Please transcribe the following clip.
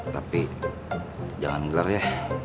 tapi jangan gelar ya